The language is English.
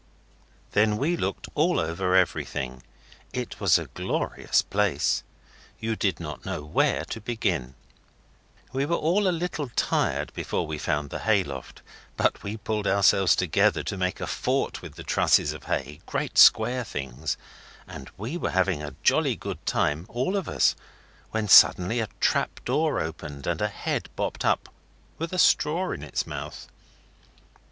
Then we looked all over everything. It was a glorious place. You did not know where to begin. We were all a little tired before we found the hayloft, but we pulled ourselves together to make a fort with the trusses of hay great square things and we were having a jolly good time, all of us, when suddenly a trap door opened and a head bobbed up with a straw in its mouth.